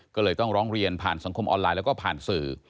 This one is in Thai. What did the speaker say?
ก็เลยต้องร้องเรียนผ่านสังคมออนไลน์แล้วก็ผ่านสื่อ